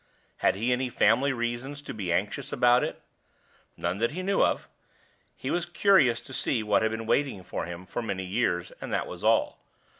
Had he any family reasons to be anxious about it? None that he knew of; he was curious to see what had been waiting for him for many years, and that was all.